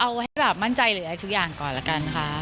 เอาไว้มามั่นใจเกลียดเลยทุกอย่างก่อนละค่ะ